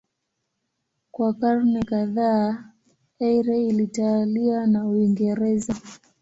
Kwa karne kadhaa Eire ilitawaliwa na Uingereza.